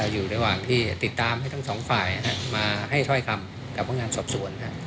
อยู่ติดตามทั้งสองฝ่ายมาให้ทรอยคำกับพวกงานสบสวน